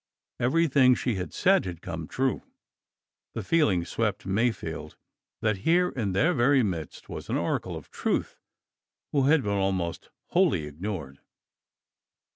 Everything she had said had come true. The feeling swept Mayfield that here in their very midst was an oracle of truth who had been almost wholly ignored.